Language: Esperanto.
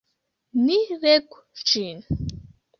Ni legu ĝin!